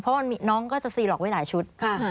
เพราะว่าน้องก็จะซีหลอกไว้หลายชุด